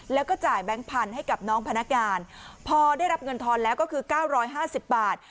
แล้วก็จ่ายแบงค์พันธุ์ให้กับน้องพนักงานพอได้รับเงินทอนแล้วก็คือ๙๕๐บาท